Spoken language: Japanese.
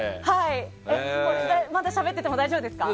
まだしゃべってても大丈夫ですか？